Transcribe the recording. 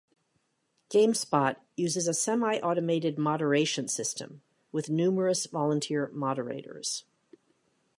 GameSpot uses a semi-automated moderation system with numerous volunteer moderators.